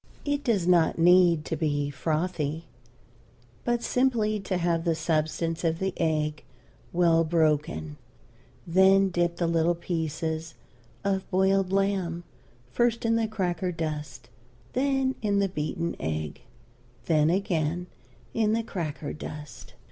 It does not need to be frothy, but simply to have the substance of the egg well broken; then dip the little pieces of boiled lamb, first in the cracker dust, then in the beaten egg, then again in the cracker dust.